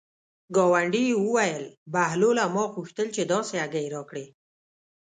ګاونډي یې وویل: بهلوله ما غوښتل چې داسې هګۍ راکړې.